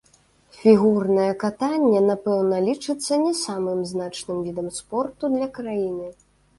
Фігурнае катанне, напэўна, лічыцца не самым значным відам спорту для краіны.